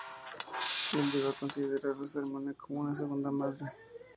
Él llegó a considerar a su hermana como su segunda madre.